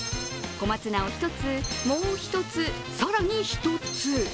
小松菜を１つ、もう１つ、更に１つ。